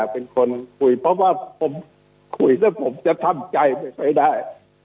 เพราะว่าผมคุยเดี๋ยวจะทำใจไปได้